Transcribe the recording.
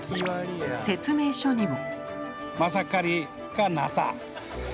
説明書にも。